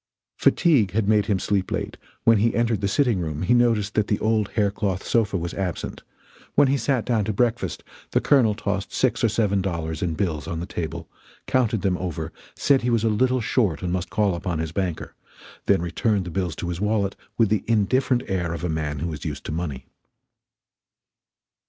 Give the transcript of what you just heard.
Fatigue had made him sleep late; when he entered the sitting room he noticed that the old hair cloth sofa was absent; when he sat down to breakfast the Colonel tossed six or seven dollars in bills on the table, counted them over, said he was a little short and must call upon his banker; then returned the bills to his wallet with the indifferent air of a man who is used to money.